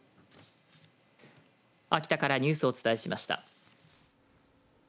秋田からニュースをお伝えしました。